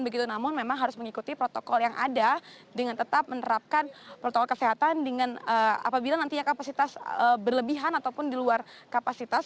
begitu namun memang harus mengikuti protokol yang ada dengan tetap menerapkan protokol kesehatan dengan apabila nantinya kapasitas berlebihan ataupun di luar kapasitas